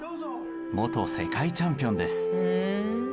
元世界チャンピオンです。